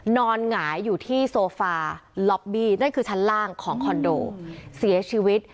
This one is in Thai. หงายอยู่ที่โซฟาล็อบบี้นั่นคือชั้นล่างของคอนโดเสียชีวิต